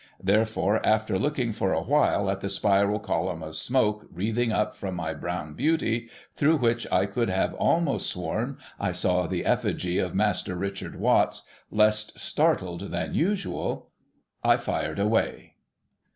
Therefore, after looking for awhile at the spiral column of smoke wreathing up from my brown beauty, through which I could have almost sworn I saw the effigy of Master Richard Watts less startled than usual, I fired away.